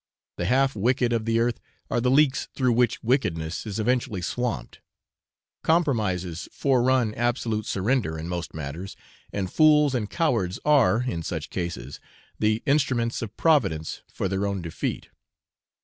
The half wicked of the earth are the leaks through which wickedness is eventually swamped; compromises forerun absolute surrender in most matters, and fools and cowards are, in such cases, the instruments of Providence for their own defeat.